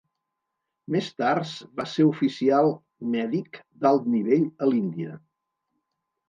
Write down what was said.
Més tars va ser oficial mèdic d'alt nivell a l'Índia.